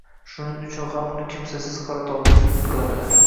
Shuning uchun ham uni kimsasiz Qoratovga surgun qiladilar